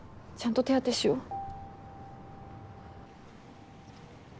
ちゃんと手当てしよう。